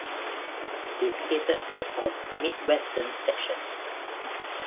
They skated out of Midwestern Section.